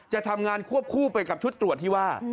จะทำงานควบคู่ไปกับชุดตรวจที่ว่า